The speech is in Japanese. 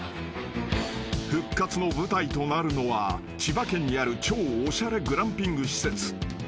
［復活の舞台となるのは千葉県にある超おしゃれグランピング施設］